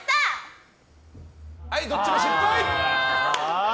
はい、どっちも失敗！